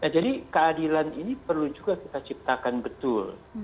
jadi keadilan ini perlu juga kita ciptakan betul